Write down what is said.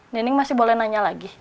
nining masih boleh nanya lagi